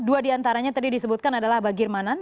dua diantaranya tadi disebutkan adalah aba girmanan